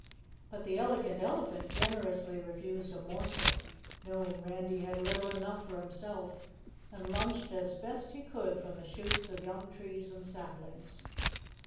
But the Elegant Elephant generously refused a morsel, knowing Randy had little enough for himself, and lunched as best he could from the shoots of young trees and saplings.